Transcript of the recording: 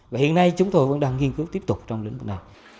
và hiện nay chúng tôi vẫn đang nghiên cứu tiếp tục trong lĩnh vực này